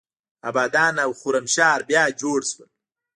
ابادان او خرمشهر بیا جوړ شول.